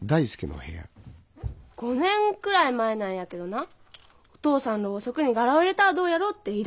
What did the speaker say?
５年くらい前なんやけどなお父さんろうそくに柄を入れたらどうやろうって言いだしたの。